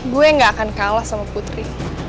gue gak akan kalah sama putri